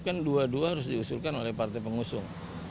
kan dua dua harus diusulkan oleh partai pengusung